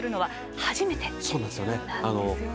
初なんですよね。